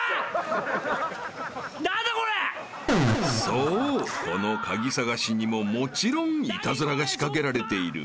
［そうこの鍵探しにももちろんイタズラが仕掛けられている］